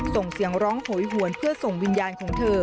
ส่งเสียงร้องโหยหวนเพื่อส่งวิญญาณของเธอ